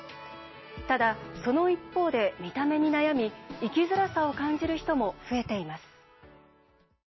ただ、その一方で見た目に悩み生きづらさを感じる人も増えています。